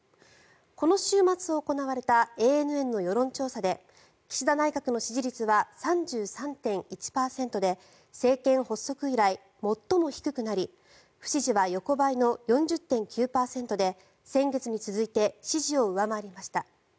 この週末行われたＡＮＮの世論調査で岸田内閣の支持率は３３．１％で政権発足以来最も低くなり不支持は横ばいの４０．９％で先月に続いて支持を上回りました。